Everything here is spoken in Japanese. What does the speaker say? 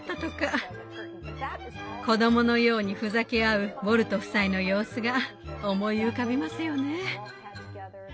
子供のようにふざけ合うウォルト夫妻の様子が思い浮かびますよね。